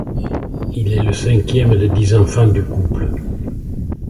Il est le cinquième des dix enfants du couple.